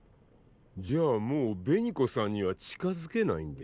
じゃあもう紅子さんには近づけないんで？